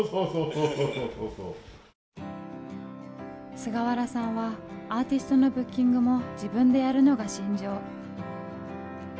菅原さんはアーティストのブッキングも自分でやるのが信条。